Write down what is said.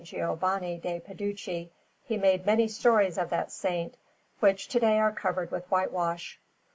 Giovanni de' Peducci he made many stories of that Saint, which to day are covered with whitewash.